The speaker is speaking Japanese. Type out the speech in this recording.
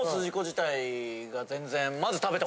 全然。